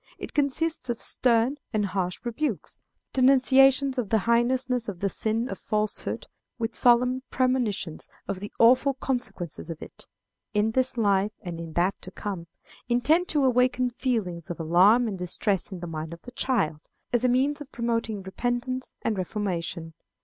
It consists of stern and harsh rebukes, denunciations of the heinousness of the sin of falsehood, with solemn premonitions of the awful consequences of it, in this life and in that to come, intended to awaken feelings of alarm and distress in the mind of the child, as a means of promoting repentance and reformation.